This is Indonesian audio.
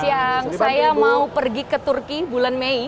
siang saya mau pergi ke turki bulan mei